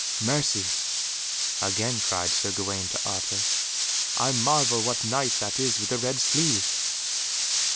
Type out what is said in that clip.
"Mercy," again cried Sir Gawaine to Arthur, "I marvel what Knight that is with the red sleeve."